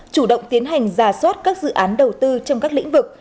chủ động tiến hành ra soát các dự án đầu tư trong các lĩnh vực